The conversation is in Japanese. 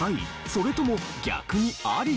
それとも逆にアリ？